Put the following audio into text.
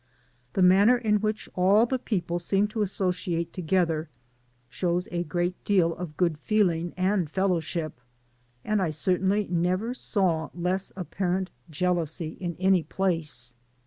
The 9ianQer in which all the people seem tp assodate tpgether, shows a great d^ of good feeling ap4 fellowship, and I certainly i^ever sa^ less apparent jealousy in any place.